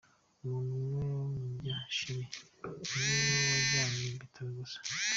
Umuntu umwe w’umnya Chili niwe wajyanwe mu bitaro gusa .